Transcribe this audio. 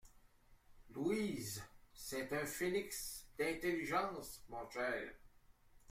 Louise ! c’est un phénix d’intelligence, mon cher.